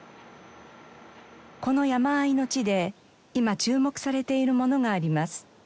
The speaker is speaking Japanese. この山あいの地で今注目されているものがあります。